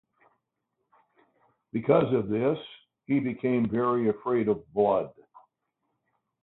Because of this, he became very afraid of blood.